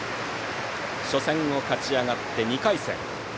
初戦を勝ち上がって２回戦。